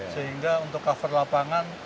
sehingga untuk cover lapangan